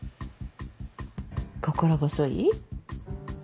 心細い？